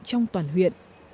trong toàn huyện